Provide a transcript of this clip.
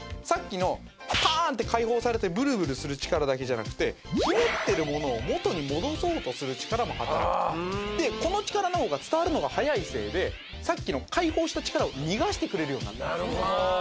さっきのパーンって解放されてブルブルする力だけじゃなくてひねってるものを元に戻そうとする力も働くでこの力の方が伝わるのが速いせいでさっきの解放した力を逃がしてくれるようになるんです